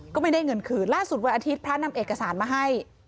ก็ไม่ได้เงินคืนล่าสุดวันอาทิตย์พระนำเอกสารมาให้